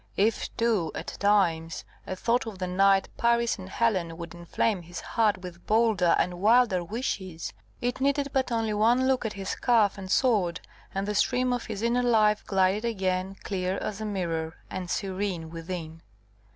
If too, at times, a thought of the knight Paris and Helen would inflame his heart with bolder and wilder wishes, it needed but one look at his scarf and sword, and the stream of his inner life glided again clear as a mirror, and serene within.